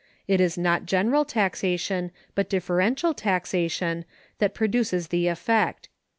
It is not general taxation, but differential taxation, that produces the effect.